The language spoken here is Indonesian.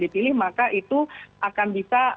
dipilih maka itu akan bisa